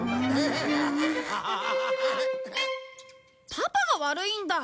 パパが悪いんだ！